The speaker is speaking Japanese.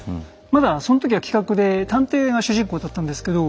まだその時は企画で探偵が主人公だったんですけど。